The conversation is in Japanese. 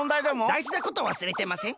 だいじなことわすれてません？